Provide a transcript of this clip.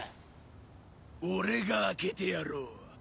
俺が開けてやろう。